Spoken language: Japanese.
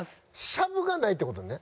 しゃぶがないって事ね？